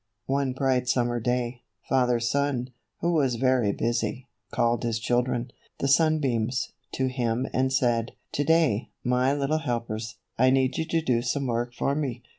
One bright summer day, Father Sun, who was very busy, called his children, the sun beams, to him and said, ^ ^To day, my little helpers, I need you to do some work for me.